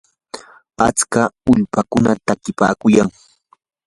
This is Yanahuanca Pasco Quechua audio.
achka ulpaykuna takipaakuyan.